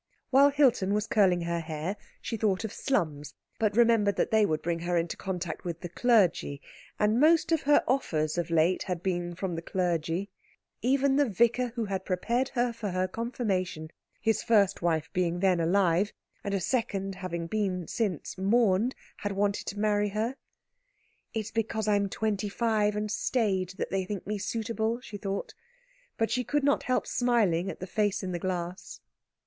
While Hilton was curling her hair, she thought of slums; but remembered that they would bring her into contact with the clergy, and most of her offers of late had been from the clergy. Even the vicar who had prepared her for confirmation, his first wife being then alive, and a second having since been mourned, had wanted to marry her. "It's because I am twenty five and staid that they think me suitable," she thought; but she could not help smiling at the face in the glass.